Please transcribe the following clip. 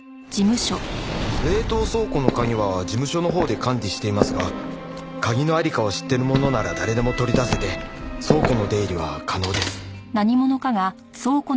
冷凍倉庫の鍵は事務所のほうで管理していますが鍵の在りかを知っている者なら誰でも取り出せて倉庫の出入りは可能です。